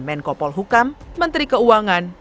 menko polhukam menteri keuangan